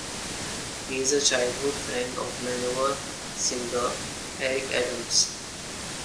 He is a childhood friend of Manowar singer Eric Adams.